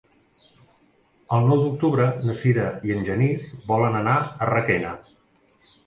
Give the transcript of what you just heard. El nou d'octubre na Sira i en Genís volen anar a Requena.